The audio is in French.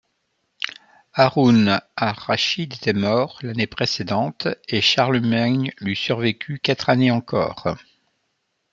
Hâroun ar-Rachîd était mort l’année précédente et Charlemagne lui survécut quatre années encore.